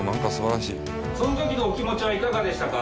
その時のお気持ちはいかがでしたか？